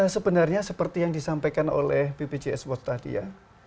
sebenarnya seperti yang disampaikan oleh bpjswo tadi ya